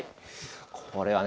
これはね